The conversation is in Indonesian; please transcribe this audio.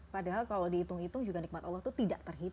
padahal kalau dihitung hitung juga nikmat allah itu tidak terhitung